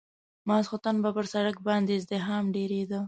ماخستن به پر سړک باندې ازدحام ډېرېده.